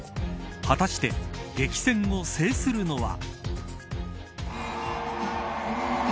果たして激戦を制するのは。